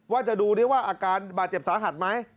ว่าจะดูได้ว่าอาการบาดเจ็บสาหัสไหม